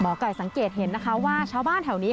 ไก่สังเกตเห็นนะคะว่าชาวบ้านแถวนี้